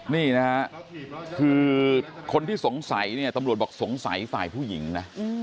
นี่นะฮะคือคนที่สงสัยเนี่ยตำรวจบอกสงสัยฝ่ายผู้หญิงนะ